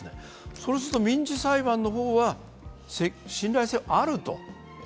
そうすると民事裁判の方はこの評価は信頼性があると。